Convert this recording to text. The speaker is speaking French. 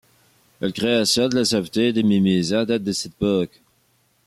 La création de la sauveté de Mimizan date de cette époque.